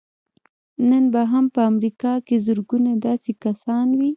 نن به هم په امريکا کې زرګونه داسې کسان وي.